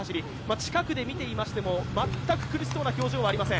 近くで見ていましても、全く苦しそうな表情はありません。